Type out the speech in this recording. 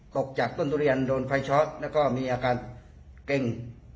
ตกจากต้นทุเรียนโดนไฟช็อตแล้วก็มีอาการเกร็ง